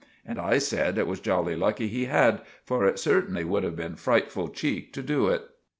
And I said it was jolly lucky he had, for it certainly would have been friteful cheek to do it.